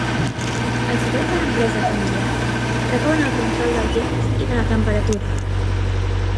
El secret de l'empresa familiar, recau en el control del temps i de la temperatura.